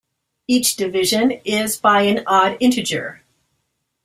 Each division is by an odd integer.